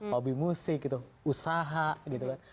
hobi musik gitu usaha gitu kan